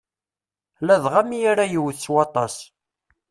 Ladɣa mi ara yewwet s waṭas.